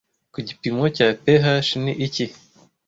Ku gipimo cya PH ni iki